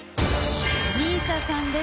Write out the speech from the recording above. ＭＩＳＩＡさんです。